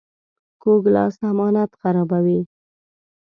کوږ لاس امانت خرابوي